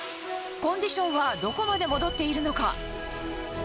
コンディションはどこまで戻っているのか？